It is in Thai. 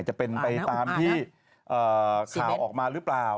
จะเป็นไปตามที่ข่าวออกมาหรือเปล่า